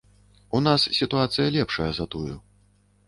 У нас сітуацыя лепшая за тую.